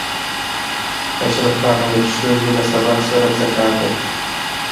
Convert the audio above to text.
اشرف خان ویل ښځې له سبق سره څه کار لري